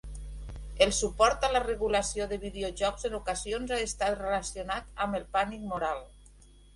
El suport a la regulació de videojocs en ocasions ha estat relacionat amb el pànic moral.